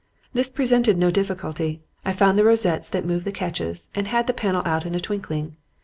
This presented no difficulty. I found the rosettes that moved the catches and had the panel out in a twinkling.